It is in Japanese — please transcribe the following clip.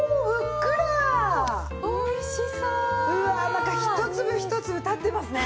なんか一粒一粒立ってますね。